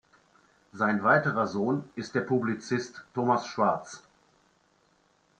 Sein weiterer Sohn ist der Publizist Thomas Schwarz.